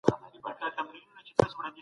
د ټولنيزو اړيکو کچه به نوره هم لوړه سي.